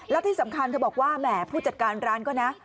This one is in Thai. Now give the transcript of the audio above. และที่สำคัญเธอบอกว่าแหมผู้จัดการร้านก็นะ